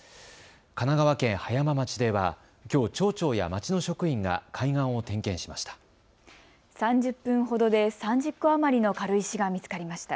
神奈川県葉山町ではきょう町長や町の職員が海岸を点検しました。